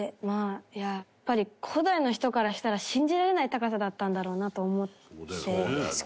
やっぱり古代の人からしたら信じられない高さだったんだろうなと思って。